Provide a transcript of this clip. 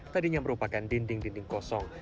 tadinya merupakan dinding dinding kosong